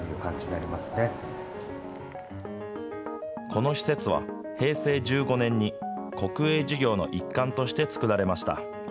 この施設は、平成１５年に国営事業の一環として作られました。